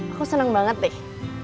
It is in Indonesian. aku seneng banget deh